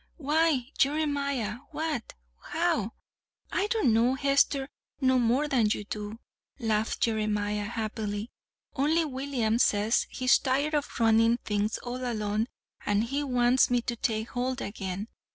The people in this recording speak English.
"Why, Jeremiah, what how " "I don't know, Hester, no more than you do," laughed Jeremiah happily; "only William says he's tired of runnin' things all alone, an' he wants me to take hold again.